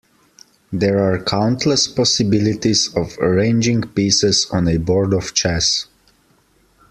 There are countless possibilities of arranging pieces on a board of chess.